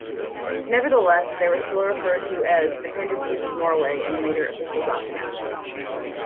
Nevertheless, they were still referred to as "dependencies of Norway" in later official documents.